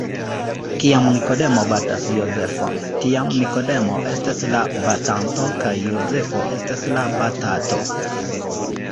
Kiam Nikodemo batas Jozefon, tiam Nikodemo estas la batanto kaj Jozefo estas la batato.